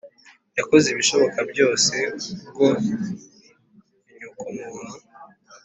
, Yakoze ibishoboka byose kubwo inyoko muntu